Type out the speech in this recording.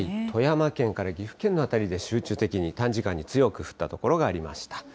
富山県から岐阜県の辺りで集中的に短時間で強く降った所がありました。